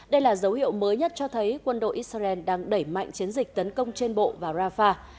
đây là dấu hiệu mới nhất cho thấy quân đội israel đang đẩy mạnh chiến dịch tấn công trên bộ vào rafah